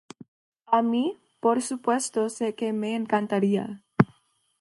A mi, por supuesto se que me encantaría.